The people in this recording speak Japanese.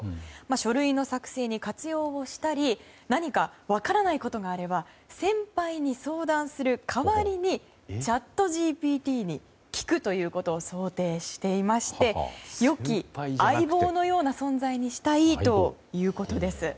書類の作成に活用をしたり何か分からないことがあれば先輩に相談する代わりにチャットＧＰＴに聞くということを想定していましてよき相棒のような存在にしたいということです。